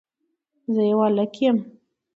زه يو هلک يم